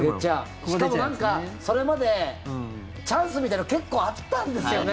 しかもなんかそれまでチャンスみたいなの結構あったんですよね。